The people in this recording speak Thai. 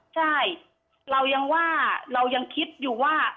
ใช่เรายังว่าเรายังคิดอยู่ว่า